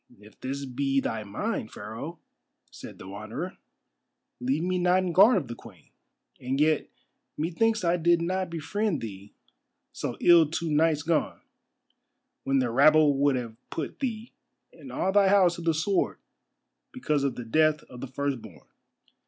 "If this be thy mind, Pharaoh," said the Wanderer, "leave me not in guard of the Queen. And yet methinks I did not befriend thee so ill two nights gone, when the rabble would have put thee and all thy house to the sword because of the death of the firstborn."